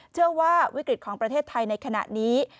เชื่อว่าวิกฤตของประเทศไทยในขณะนี้